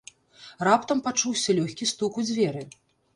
Раптам пачуўся лёгкі стук у дзверы.